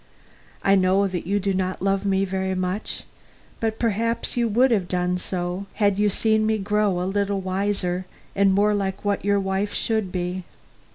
I know that you do not love me very much, but perhaps you would have done so had you seen me grow a little wiser and more like what your wife should be.